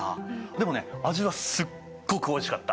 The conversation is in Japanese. でもね味はすっごくおいしかった。